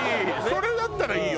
それだったらいいよ。